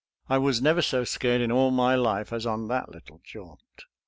I was never so scared in all my life as on that little jaunt.